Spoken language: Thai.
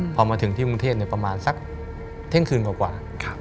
พอมาถึงที่กรุงเทพประมาณสักเที่ยงคืนกว่า